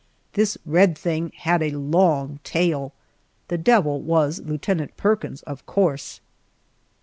This red thing had a long tail. The devil was Lieutenant Perkins, of course.